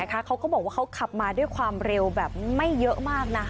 เขาก็บอกว่าเขาขับมาด้วยความเร็วแบบไม่เยอะมากนะ